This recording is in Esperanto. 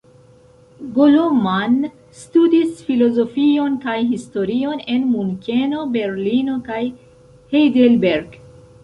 Golo Mann studis filozofion kaj historion en Munkeno, Berlino kaj Heidelberg.